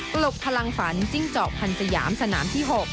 กลบพลังฝันจิ้งจอกพันธ์สยามสนามที่๖